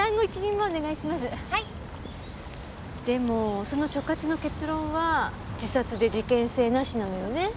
でもその所轄の結論は自殺で事件性なしなのよね。